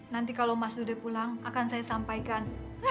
nanti kalau mas nude pulang akan saya sampaikan